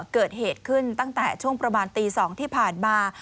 เกิดเหตุขึ้นตั้งแต่ช่วงประมาณตี๒ที่ผ่านมา